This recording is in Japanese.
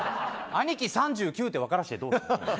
兄貴、３９って分かってどうする？